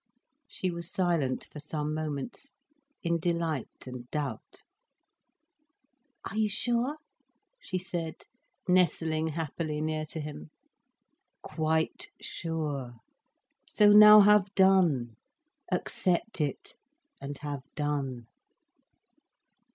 She was silent for some moments, in delight and doubt. "Are you sure?" she said, nestling happily near to him. "Quite sure—so now have done—accept it and have done."